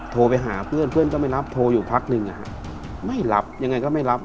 โทรไปหาเพื่อนเพื่อนก็ไม่รับโทรอยู่พักหนึ่งไม่รับยังไงก็ไม่รับ